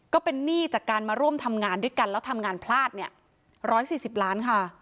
ก็เป็นหนี้จากการมาร่วมทำงานด้วยกันแล้วทำงานพลาดเนี่ย๑๔๐ล้านค่ะ